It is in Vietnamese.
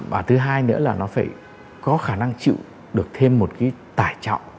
và thứ hai nữa là nó phải có khả năng chịu được thêm một cái tải trọng